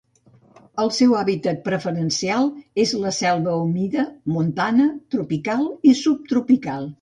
El seu hàbitat preferencial és la selva humida montana tropical i subtropical.